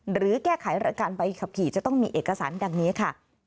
หรือแก้ไขการใบขับขี่จะต้องมีเอกสารดังนี้ค่ะ